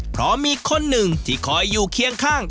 เพราะมีคนหนึ่งที่คอยอยู่เคียงข้าง